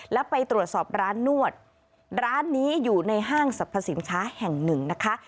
แล้วไปตรวจสอบร้านนวดร้านนี้อยู่ในห้างสรรพสินค้าแห่งหนึ่งนะคะ